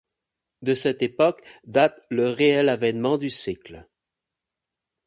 De cette époque date le réel avènement du cycle.